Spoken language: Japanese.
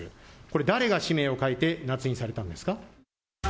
これ、誰が氏名を書いて捺印されたんですか？